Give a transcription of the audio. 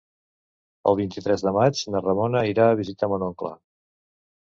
El vint-i-tres de maig na Ramona irà a visitar mon oncle.